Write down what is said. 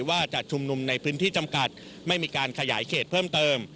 ว่าจะชุมนุมในพื้นที่จำกัดไม่มีการขยายเขตเพิ่มเติม